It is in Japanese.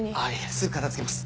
すぐ片付けます。